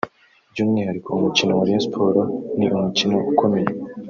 By’umwihariko umukino wa Rayon Sports ni umukino ukomeye